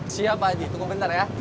siap pak haji tunggu bentar ya